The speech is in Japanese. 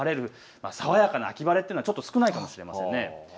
爽やかな秋晴れというのはちょっと少ないかもしれません。